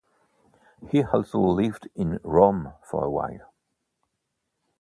He also lived in Rome for a while.